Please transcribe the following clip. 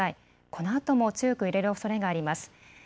このあとも強く揺れるおそれがあります。